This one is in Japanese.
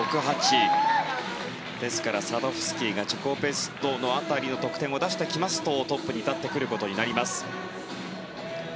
ですから、サドフスキーが自己ベスト辺りの得点を出しますとトップに立ってくることになります。